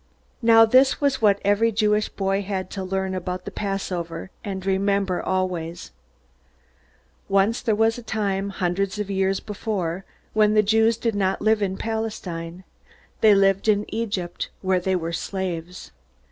Now this was what every Jewish boy had to learn about the Passover, and remember always: Once there was a time, hundreds of years before, when the Jews did not live in Palestine. They lived in Egypt, where they were slaves.